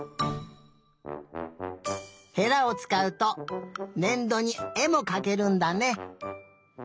へらをつかうとねんどにえもかけるんだね。